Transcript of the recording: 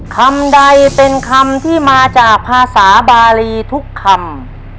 คำใดเป็นคำที่มาจากภาษาบารีทุกคำ